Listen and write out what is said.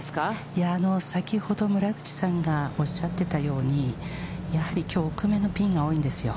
いや、先ほど村口さんがおっしゃってたように、やはりきょう奥めのピンが多いんですよ。